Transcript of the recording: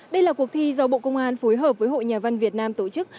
đây là cuộc thi do bộ công an phối hợp với hội nhà văn việt nam tổ chức